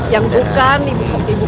yang bukan ibukota